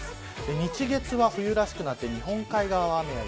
日、月は冬らしくなって日本海側は雨や雪。